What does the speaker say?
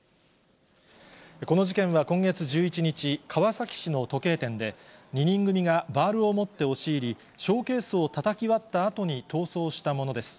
この事件は今月１１日、川崎市の時計店で、２人組がバールを持って押し入り、ショーケースをたたき割ったあとに逃走したものです。